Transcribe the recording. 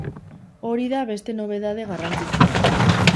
Hori da beste nobedade garrantzitsua.